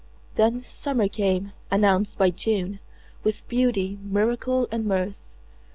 Then summer came, announced by June, With beauty, miracle and mirth.